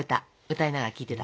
歌いながら聞いてた。